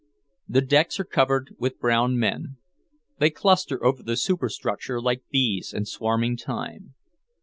The decks are covered with brown men. They cluster over the superstructure like bees in swarming time.